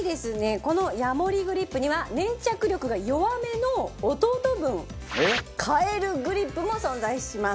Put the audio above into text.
このヤモリグリップには粘着力が弱めの弟分カエルグリップも存在します。